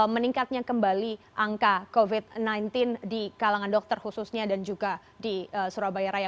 meningkatnya kembali angka covid sembilan belas di kalangan dokter khususnya dan juga di surabaya raya